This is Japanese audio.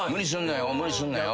無理すんなよ。